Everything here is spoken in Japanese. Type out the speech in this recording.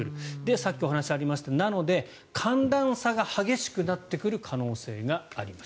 さっきお話がありましたがなので、寒暖差が激しくなってくる可能性があります。